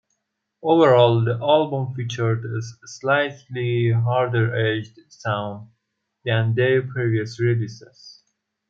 Overall, the album featured a slightly harder-edged sound than their previous releases.